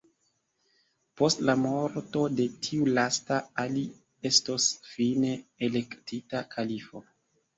Post la morto de tiu lasta, Ali estos fine elektita kalifo.